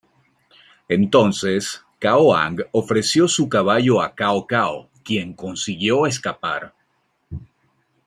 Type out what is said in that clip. Entonces, Cao Ang ofreció su caballo a Cao Cao, quien consiguió escapar.